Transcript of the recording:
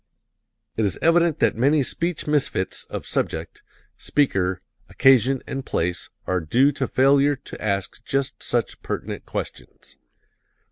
It is evident that many speech misfits of subject, speaker, occasion and place are due to failure to ask just such pertinent questions.